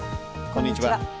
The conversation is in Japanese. こんにちは。